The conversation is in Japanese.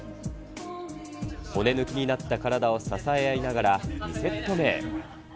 骨抜きになった体を支え合いながら、２セット目へ。